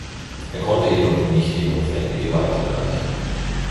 Er konnte jedoch nicht die notwendige Weite erreichen.